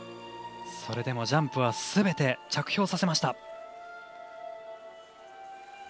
それでも、ジャンプはすべて着氷させました。